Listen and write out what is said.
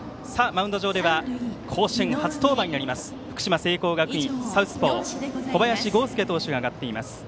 マウンド上では甲子園初登板になります福島・聖光学院サウスポー小林剛介投手が上がっています。